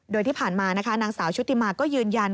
โดยที่ผ่านมานะคะนางสาวชุติมาก็ยืนยัน